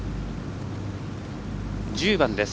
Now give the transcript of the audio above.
１０番です。